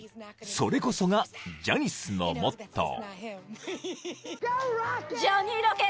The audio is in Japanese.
［それこそがジャニスのモットー］